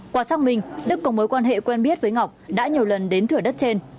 quả sắc mình đức có mối quan hệ quen biết với ngọc đã nhiều lần đến thửa đất trên